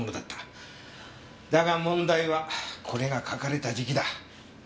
だが問題はこれが書かれた時期だ。